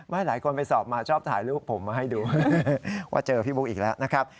หลายคนไปสอบมาชอบถ่ายรูปผมมาให้ดูว่าเจอพี่บุ๊กอีกแล้วนะครับ